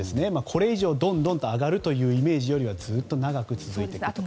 これ以上、どんどん上がるというイメージよりはずっと長く続いていくと。